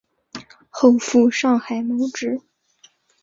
后赴上海谋职。